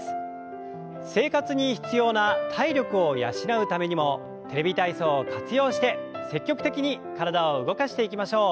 生活に必要な体力を養うためにも「テレビ体操」を活用して積極的に体を動かしていきましょう。